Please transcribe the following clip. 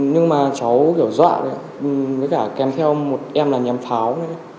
nhưng mà cháu kiểu dọa đấy ạ với cả kèm theo một em là nhà pháo